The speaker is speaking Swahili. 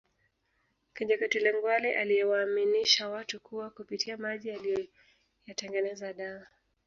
Kinjeketile Ngwale aliyewaaminisha watu kuwa kupitia maji aliyoyatengeneza dawa